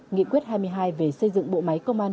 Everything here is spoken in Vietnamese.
nghị quyết hai mươi hai về xây dựng bộ máy công an